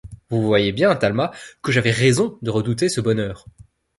Vous voyez bien, Talma, que j'avais raison de redouter ce bonheur.